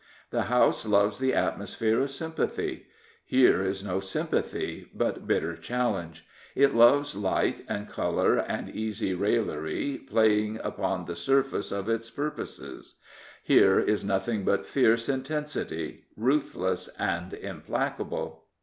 The House loves the atmosphere of sympathy: here is no sympathy, but bitter challenge. It loves light and colour and easy raillery, playing upon the surface of its purposes: here is nothing but fierce intensity, ruthless and implacable.